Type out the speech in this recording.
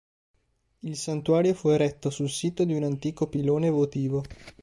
Il santuario fu eretto sul sito di un antico pilone votivo.